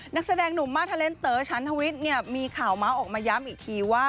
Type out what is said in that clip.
นักแสดงหนุ่มมาร์ทเทอร์ชั้นทวิทย์มีข่าวมาออกมาย้ำอีกทีว่า